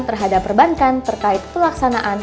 terhadap perbankan terkait pelaksanaan